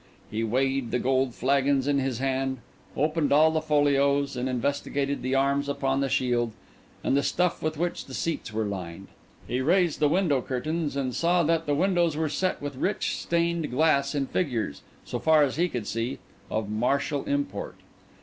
He weighed the gold flagons in his hand, opened all the folios, and investigated the arms upon the shield, and the stuff with which the seats were lined. He raised the window curtains, and saw that the windows were set with rich stained glass in figures, so far as he could see, of martial import.